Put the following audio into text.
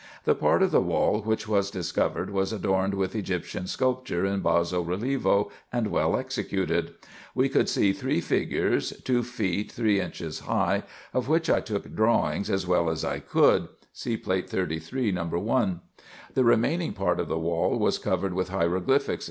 The part of the wall which was discovered was adorned with Egyptian sculpture in basso relievo, and well executed. We could see three figures, two feet three inches high, of which I took drawings as well as I could (See Plate 33, No. 1), The remaining part of the wall was covered with hieroglyphics, &c.